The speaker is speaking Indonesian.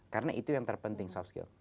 karena itu yang terpenting soft skill